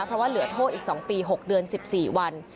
เพราะว่าเหลือโทษอีก๒ปี๖เดือน๑๔วัน